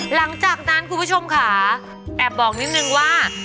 หลังจากนั้นคุณผู้ชมค่ะแอบบอกนิดนึงว่า